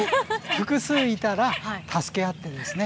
複数いたら助け合ってですね